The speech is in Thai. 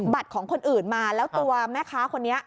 ของคนอื่นมาแล้วตัวแม่ค้าคนนี้